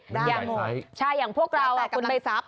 เป็นใหญ่ไซส์ใช่อย่างพวกเราคุณไปซับ